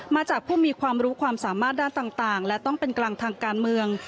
มาจากผู้มีความรู้ความสามารถด้านต่างและต้องเป็นกลางทางการเมือง